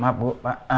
maaf bu pak